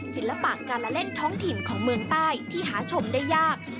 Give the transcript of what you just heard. ศิลปะการละเล่นท้องถิ่นของเมืองใต้ที่หาชมได้ยาก